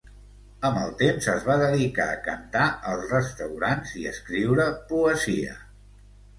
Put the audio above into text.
Amb el temps es va dedicar a cantar als restaurants i escriure poesia.